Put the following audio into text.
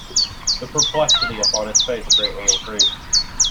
The perplexity upon his face greatly increased.